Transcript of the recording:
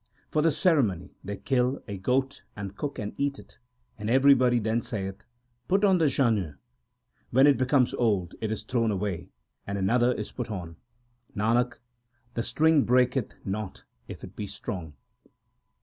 For the ceremony they kill a goat and cook and eat it, and everybody then saith Put on the janeu . When it becometh old, it is thrown away and another is put on. Nanak, the string breaketh not if it be strong.